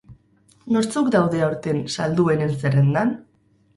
Nortzuk daude aurten salduenen zerrendan?